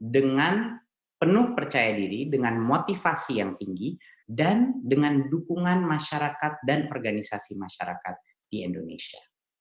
dengan penuh percaya diri dengan motivasi yang tinggi dan dengan dukungan masyarakat dan organisasi masyarakat di indonesia